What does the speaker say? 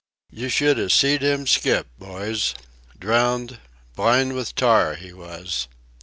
You should have seed him skip, boys! Drowned, blind with tar, he was!